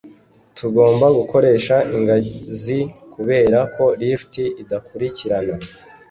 tugomba gukoresha ingazi kubera ko lift idakurikirana